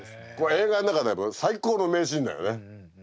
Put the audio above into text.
映画の中で最高の名シーンだよね。